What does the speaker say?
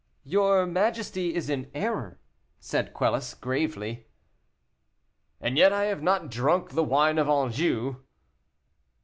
"Your majesty is in error," said Quelus, gravely. "And yet I have not drunk the wine of Anjou."